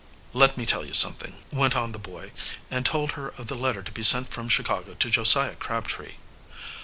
"Let me tell you something," went on the boy, and told her of the letter to be sent from Chicago to Josiah Crabtree.